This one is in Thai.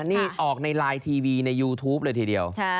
นี่ออกในไลน์ทีวีในยูทูปเลยทีเดียว